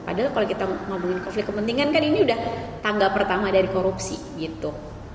padahal kalau kita ngomongin konflik kepentingan kan ini udah tanggal pertama dari korupsi gitu